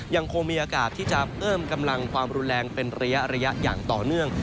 ยังคงมีอากาศที่จะเพิ่มกำลังความรุนแรงเป็นระยะอย่างต่อเนื่อง